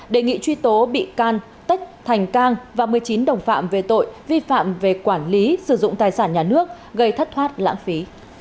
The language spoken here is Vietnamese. đề nghị truy tố bị can tất thành cang và một mươi chín đồng phạm về tội vi phạm về quản lý sử dụng tài sản nhà nước gây thất thoát lãng phí